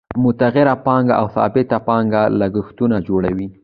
متغیره پانګه او ثابته پانګه لګښتونه جوړوي